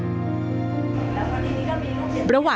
ทำไมเราต้องเป็นแบบเสียเงินอะไรขนาดนี้เวรกรรมอะไรนักหนา